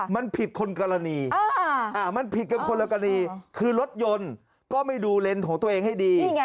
มันผิดคนกรณีมันผิดกันคนละกรณีคือรถยนต์ก็ไม่ดูเลนส์ของตัวเองให้ดี